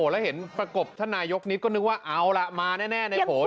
แล้วเห็นประกบท่านนายกนิดก็นึกว่าเอาล่ะมาแน่ในโหน